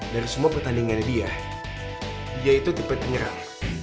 dari semua pertandingan dia dia itu tipe penyerang